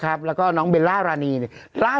คุณแม่ของคุณแม่ของคุณแม่